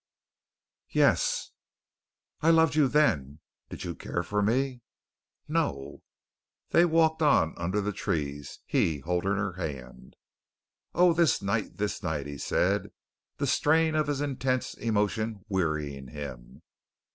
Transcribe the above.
"Yes." "I loved you then. Did you care for me?" "No." They walked on under the trees, he holding her hand. "Oh, this night, this night," he said, the strain of his intense emotion wearying him.